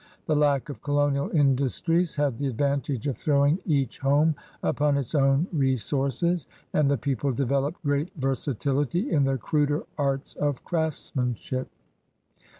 The lack of colonial industries had the advantage of throwing each home upon its own resources, and the people developed great versatihty in the cruder arts of craftsmanship.